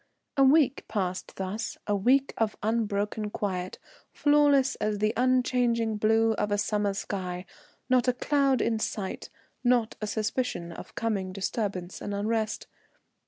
A week passed thus, a week of unbroken quiet, flawless as the unchanging blue of a summer sky; not a cloud in sight, not a suspicion of coming disturbance and unrest.